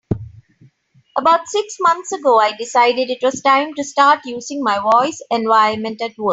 About six months ago, I decided it was time to start using my voice environment at work.